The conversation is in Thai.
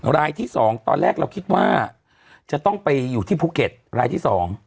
รายที่๒ตอนแรกเราคิดว่าจะต้องไปอยู่ที่ภูเก็ตรายที่๒